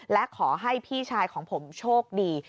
และขอให้พี่ชายของผมโชคดี